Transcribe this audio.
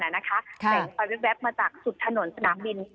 เสร็จไฟวิบแวบมาจากสุดถนนสนามบิน